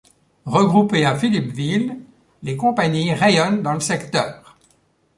Regroupées à Philippeville les compagnies rayonnent dans le secteur.